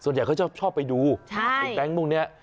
ส่วนใหญ่เขาจะชอบไปดูใช่ตรงแบงก์พวกเนี้ย